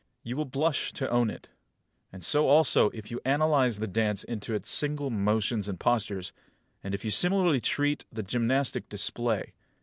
You will blush to own it; and so also if you analyse the dance into its single motions and postures, and if you similarly treat the gymnastic display.